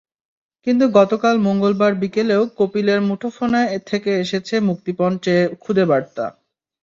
কিন্তু গতকাল মঙ্গলবার বিকেলেও কপিলের মুঠোফোন থেকে এসেছে মুক্তিপণ চেয়ে খুদে বার্তা।